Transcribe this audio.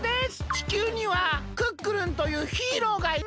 地球にはクックルンというヒーローがいます。